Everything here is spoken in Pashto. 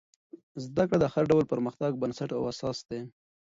زده کړه د هر ډول پرمختګ بنسټ او اساس دی.